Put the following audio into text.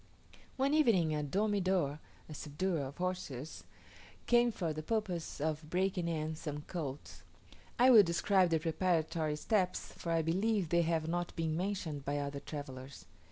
One evening a "domidor" (a subduer of horses) came for the purpose of breaking in some colts. I will describe the preparatory steps, for I believe they have not been mentioned by other travellers.